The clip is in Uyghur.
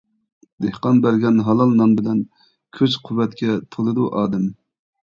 دېھقان بەرگەن ھالال نان بىلەن، كۈچ-قۇۋۋەتكە تولىدۇ ئادەم.